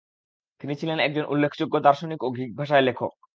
তিনি ছিলেন একজন উল্লেখযোগ্য দার্শনিক ও গ্রীক ভাষায় লেখক।